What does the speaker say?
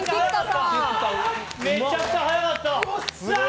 めちゃくちゃ速かった。